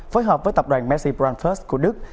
phối hợp với tập đoàn messi brand first của đức